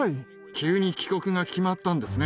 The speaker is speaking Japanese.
急に帰国が決まったんですね。